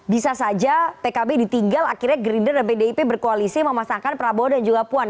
bisa saja pkb ditinggal akhirnya gerindra dan pdip berkoalisi memasangkan prabowo dan juga puan